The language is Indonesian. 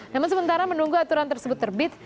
namun sementara menunggu aturan tersebut terbit